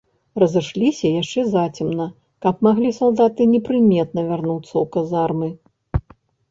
Разышліся яшчэ зацемна, каб маглі салдаты непрыметна вярнуцца ў казармы.